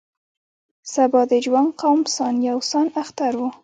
سبا د جوانګ قوم سان یو سان اختر و.